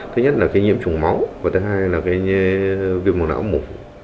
thứ nhất là cái nhiễm chủng máu và thứ hai là cái việp mồm não mụn